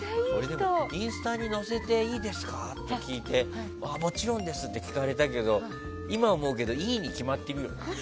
インスタに載せていいですか？って聞いてもちろんですって今思うけどいいに決まってるよね。